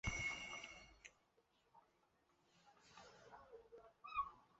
朝来市立生野中学校位于日本兵库县朝来市的公立中学校。